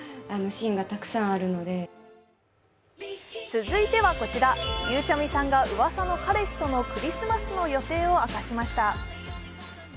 続いてはこちら、ゆうちゃみさんがうわさの彼氏とのクリスマスの予定を明かしました。